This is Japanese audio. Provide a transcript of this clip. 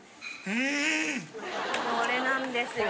これなんですよ。